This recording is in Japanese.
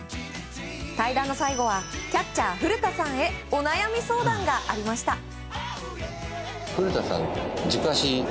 対談の最後はキャッチャー、古田さんへお悩み相談がありました。